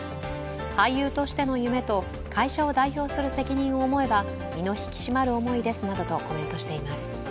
俳優としての夢と会社を代表する責任を思えば、身の引き締まる思いですなどとコメントしています。